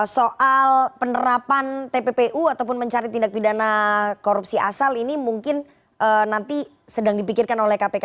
soal penerapan tppu ataupun mencari tindak pidana korupsi asal ini mungkin nanti sedang dipikirkan oleh kpk